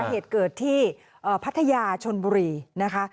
เหตุเกิดที่พัทยาชนบุรีนะคะ